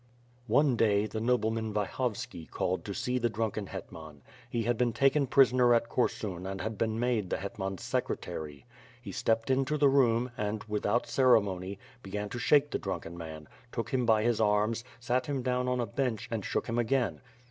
One day, the nobleman Vyhovski called to see the drunken hetman; he had been taken prisoner at Korsun and had been made the hetman's secretary. He stepped into the room and, without ceremony, began to shake the drunken man; took him by his arms, sat him down on a bench, and shook him again.